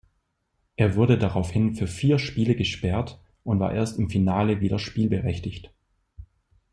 Er wurde daraufhin für vier Spiele gesperrt und war erst im Finale wieder spielberechtigt.